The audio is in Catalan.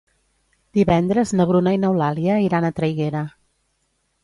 Divendres na Bruna i n'Eulàlia iran a Traiguera.